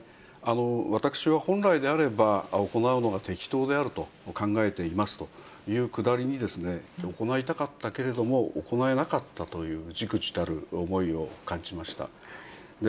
私は本来であれば行うのが適当であると考えていますというくだりに、行いたかったけれども行えなかったという、じくじたる思いを感じました。